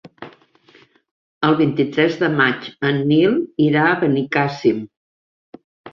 El vint-i-tres de maig en Nil irà a Benicàssim.